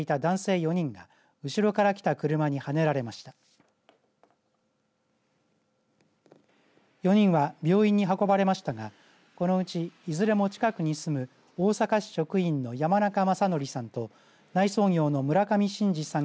４人は病院に運ばれましたがこのうち、いずれも近くに住む大阪市職員の山中正規さんと内装業の村上伸治さん